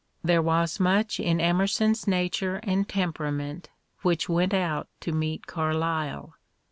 There was much in Emerson's nature and temperament which went out to meet Carlyle.